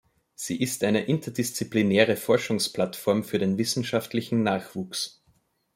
Sie ist eine interdisziplinäre Forschungsplattform für den wissenschaftlichen Nachwuchs.